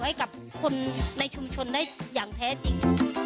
ให้กับคนในชุมชนได้อย่างแท้จริง